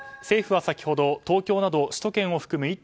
政府は先ほど東京など首都圏を含む